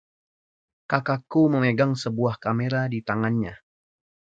Kakakku memegang sebuah kamera di tangannya.